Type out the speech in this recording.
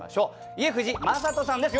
家藤正人さんです